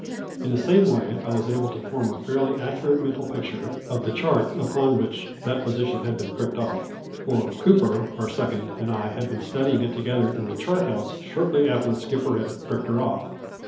In the same way I was able to form a fairly accurate mental picture of the chart upon which that position had been pricked off, for Cooper, our "second", and I had been studying it together in the chart house shortly after the skipper had "pricked her off".